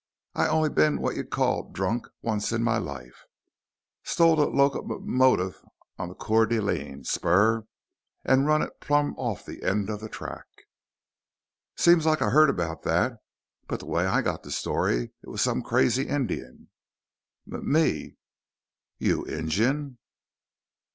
I only been what you'd call drunk once in my life. Stole a loco m motive on the Coeur d'Alene spur and run it plumb off the end of the track." "Seems like I heard about that. But the way I got the story, it was some crazy Indian." "M me." "You're Injun?"